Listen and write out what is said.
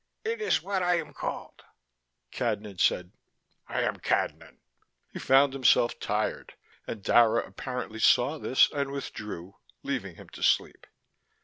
"It is what I am called." Cadnan said: "I am Cadnan." He found himself tired, and Dara apparently saw this and withdrew, leaving him to sleep.